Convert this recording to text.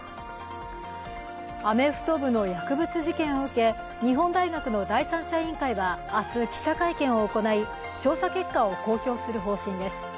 アメフト部の薬物事件を受け、日本大学の第三者委員会は明日、記者会見を行い、調査結果を公表する方針です。